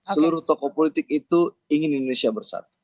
seluruh tokoh politik itu ingin indonesia bersatu